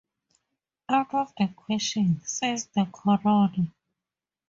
"Out of the question," says the coroner.